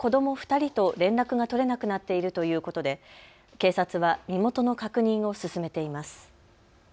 ２人と連絡が取れなくなっているということで警察は身元の確認を進めています。